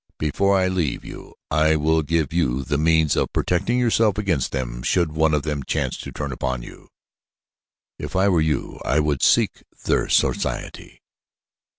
Before I leave you I will give you the means of protecting yourself against them should one of them chance to turn upon you. If I were you I would seek their society.